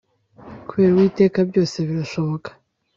kubera uwiteka byose birashoboka